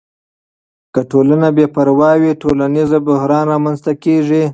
که ټولنه بې پروا وي، ټولنیز بحران رامنځته کیږي.